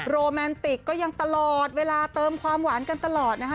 โรแมนติกก็ยังตลอดเวลาเติมความหวานกันตลอดนะคะ